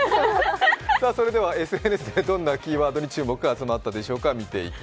それではＳＮＳでどんなキーワードに注目が集まったでしょうか。